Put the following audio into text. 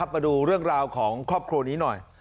มาดูเรื่องราวของครอบครัวนี้หน่อย